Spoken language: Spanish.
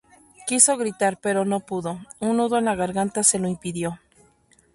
Quiso gritar, pero no pudo; un nudo en la garganta se lo impidió.